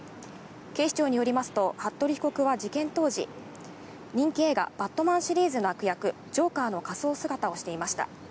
警視庁によりますと、服部被告は事件当時、人気映画『バットマン』シリーズの悪役・ジョーカーの仮装姿をしていました。